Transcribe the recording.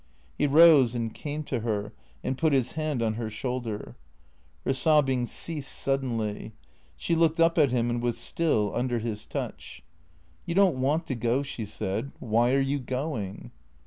He rose and came to her and put his hand on her shoulder. Her sobbing ceased suddenly. She looked up at him and was still, under his touch. "You don't want to go," she said. "Why are you going?"